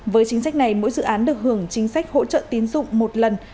với chính sách này mỗi dự án được hưởng chính sách hỗ trợ tín dụng một lần